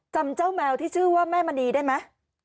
จำเจ้าแมวที่ชื่อว่าแม่มณีได้ไหม